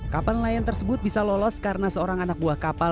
kapal nelayan tersebut bisa lolos karena seorang anak buah kapal